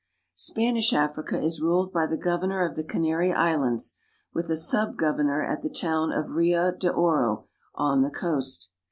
Spanish Africa is ruled by the governor of the Canary Islands, with a subgovernor at the town of Rio de Oro (re'5 da5'r5), on the coast.